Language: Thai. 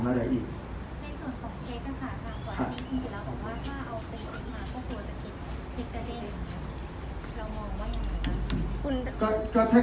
ผมว่าถ้าเอาเป็น๑๐ล้านก็ควรจะถิดกระเด็น